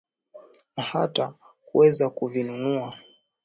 Na hata kuweza kuvinunua.